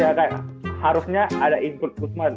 ya kayak harusnya ada input kusma